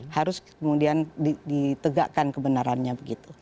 harus kemudian ditegakkan kebenarannya begitu